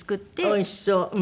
おいしそう。